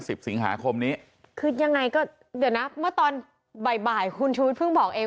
สิบสิงหาคมนี้คือยังไงก็เดี๋ยวนะเมื่อตอนบ่ายบ่ายคุณชูวิทเพิ่งบอกเอง